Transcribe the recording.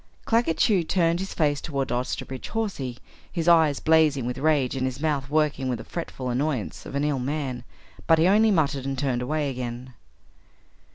Claggett Chew turned his face toward Osterbridge Hawsey, his eyes blazing with rage and his mouth working with the fretful annoyance of an ill man, but he only muttered and turned away again.